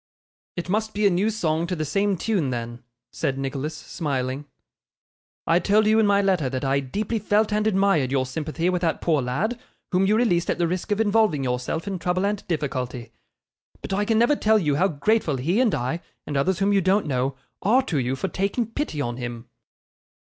'It must be a new song to the same tune then,' said Nicholas, smiling. 'I told you in my letter that I deeply felt and admired your sympathy with that poor lad, whom you released at the risk of involving yourself in trouble and difficulty; but I can never tell you how grateful he and I, and others whom you don't know, are to you for taking pity on him.